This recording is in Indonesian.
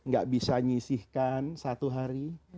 gak bisa nyisihkan satu hari